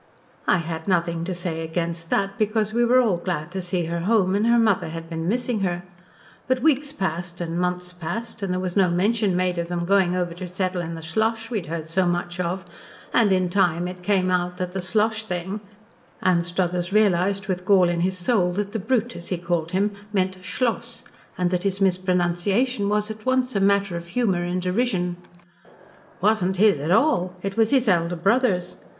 "I had nothing to say against that, because we were all glad to see her home and her mother had been missing her. But weeks passed and months passed and there was no mention made of them going over to settle in the Slosh we'd heard so much of, and in time it came out that the Slosh thing" Anstruthers realised with gall in his soul that the "brute," as he called him, meant "Schloss," and that his mispronunciation was at once a matter of humour and derision "wasn't his at all. It was his elder brother's.